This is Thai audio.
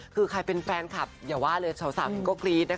คือใครเป็นแฟนคลับอย่าว่าเลยสาวเองก็กรี๊ดนะคะ